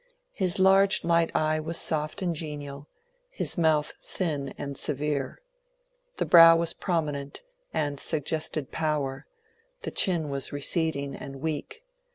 His large, light eye was soft and genial, his mouth thin and severe. The brow was prominent, and suggested power ; the chin was receding and weak.